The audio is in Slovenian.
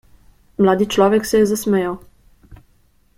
Mladi človek se je zasmejal.